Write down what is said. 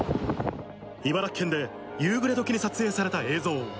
茨城県で夕暮れどきに撮影された映像。